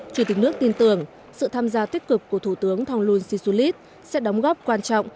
chủ tịch nước tin tưởng sự tham gia tích cực của thủ tướng thonglun sisulit sẽ đóng góp quan trọng